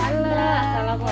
selamat painggilan selamat starch